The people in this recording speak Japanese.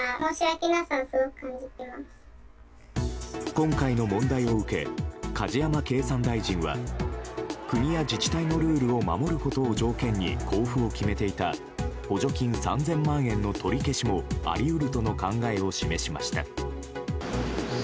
今回の問題を受け梶山経産大臣は国や自治体のルールを守ることを条件に交付を決めていた補助金３０００万円の取り消しもあり得るとの考えを示しました。